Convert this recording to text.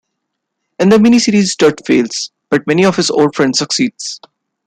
In the mini-series Studs fails, but many of his old friends succeed.